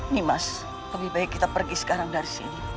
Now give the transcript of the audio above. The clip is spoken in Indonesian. nih mas lebih baik kita pergi sekarang dari sini